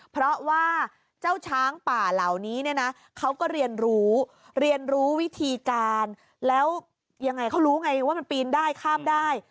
เพราะว่าเจ้าช้างป่าเหล่านี้เนี่ยนะเขาก็เรียนรู้เรียนรู้วิธีการแล้วยังไงเขารู้ไงว่ามันปีนได้ข้ามได้